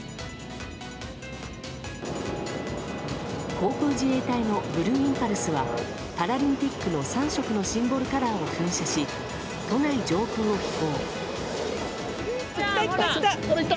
航空自衛隊のブルーインパルスはパラリンピックの３色のシンボルカラーを噴射し都内上空を飛行。